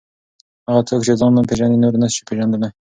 هغه څوک چې ځان نه پېژني نور نسي پېژندلی.